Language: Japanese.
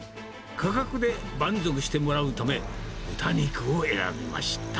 価格で満足してもらうため豚肉を選びました。